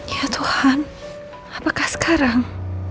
ya tuhan apakah sekarang